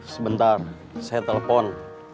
sebentar saya telepon